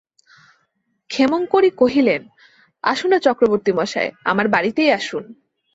ক্ষেমংকরী কহিলেন, আসুন-না চক্রবর্তীমশায়, আমার বাড়িতেই আসুন।